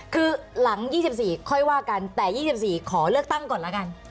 คือหลัง๒๔ค่อยว่ากันแต่๒๔ขอเลือกตั้งก่อนแล้วกัน